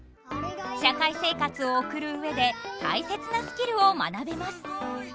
社会生活を送る上で大切なスキルを学べます。